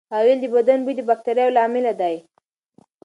هغه وویل د بدن بوی د باکتریاوو له امله دی.